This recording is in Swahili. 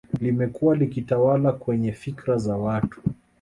Limekua likitawala kwenye fikra za watu